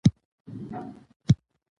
دام له سترګو وو نیهام خاورو کي ښخ وو